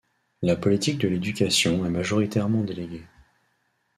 La politique de l'éducation est majoritairement déléguée.